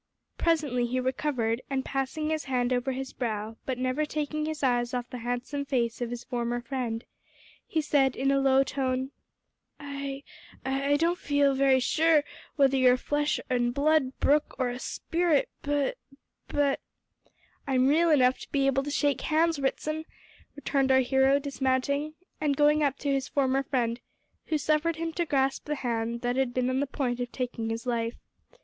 Presently he recovered, and, passing his hand over his brow, but never taking his eyes off the handsome face of his former friend, he said in a low tone "I I don't feel very sure whether you're flesh and blood, Brooke, or a spirit but but " "I'm real enough to be able to shake hands, Ritson," returned our hero, dismounting, and going up to his former friend, who suffered him to grasp the hand that had been on the point of taking his life.